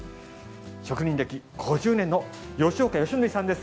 職人歴５０年の吉岡芳憲さんです。